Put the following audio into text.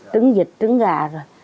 trứng vịt trứng gà rồi